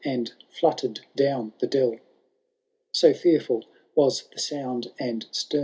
And fluttered down the dell ! So fearfiil was the sound and stem.